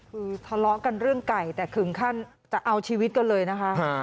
คือทะเลาะกันเรื่องไก่แต่ถึงขั้นจะเอาชีวิตกันเลยนะคะ